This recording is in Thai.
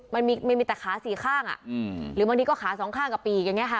มันมีแต่ขาสี่ข้างหรือบางทีก็ขาสองข้างกับปีกอย่างนี้ค่ะ